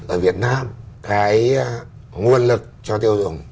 ở việt nam cái nguồn lực cho tiêu dùng